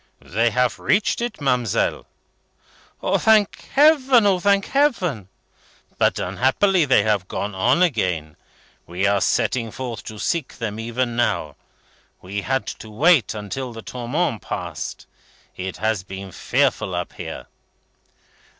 "They have reached it, ma'amselle." "Thank Heaven! O thank Heaven!" "But, unhappily, they have gone on again. We are setting forth to seek them even now. We had to wait until the Tourmente passed. It has been fearful up here."